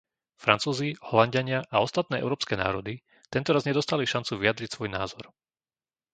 Francúzi, Holanďania a ostatné európske národy tentoraz nedostali šancu vyjadriť svoj názor.